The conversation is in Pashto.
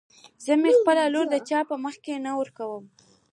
زه مې خپله لور د چا په مخکې نه ورکم.